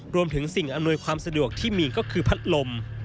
รวมถึงสิ่งอำนวยความสะดวกที่มีก็คือพัดลม